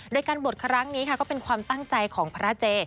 โดยการบวชครั้งนี้ค่ะก็เป็นความตั้งใจของพระเจ